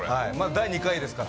第２回ですから。